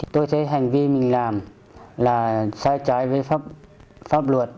tôi thấy hành vi mình làm là sai trái với pháp luật